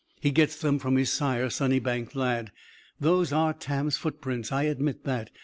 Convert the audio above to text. He gets them from his sire, Sunnybank Lad. Those are Tam's footprints, I admit that.